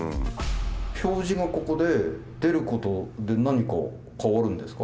表示がここで出ることで何か変わるんですか？